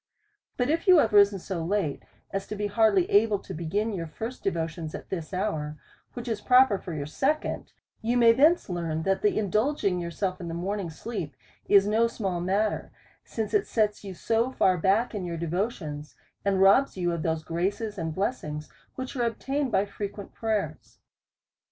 But if you have risen so late, as to be hardly able to begin your first devotions at this hour, which is proper for your second, you may thence learn that the in dulging yourself in the morning sleep is no small mat ter, since it sets you so tar back in your devotions, and robs you of those graces and blessings, which are obtained by frequent prayers.